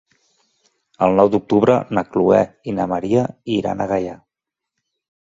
El nou d'octubre na Chloé i na Maria iran a Gaià.